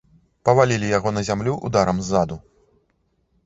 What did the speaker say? Павалілі яго на зямлю ударам ззаду.